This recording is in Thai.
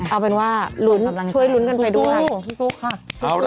เอาเป็นว่าช่วยลุ้นกันไปดูค่ะชู้สู้ค่ะ